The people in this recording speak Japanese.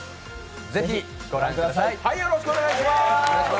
ぜひご覧ください。